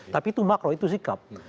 tapi itu makro itu sikap